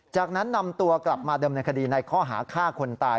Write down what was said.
จากนั้นนำตัวกลับมาเดิมในคดีในข้อหาฆ่าคนตาย